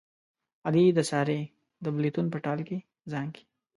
علي د سارې د بلېتون په ټال کې زانګي.